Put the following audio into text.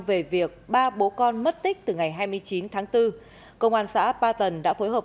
về việc ba bố con mất tích từ ngày hai mươi chín tháng bốn công an xã ba tần đã phối hợp